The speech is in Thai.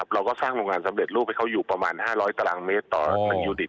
เราก็สร้างโรงงานสำเร็จรูปให้เขาอยู่ประมาณ๕๐๐ตารางเมตรต่อรัฐยูดิต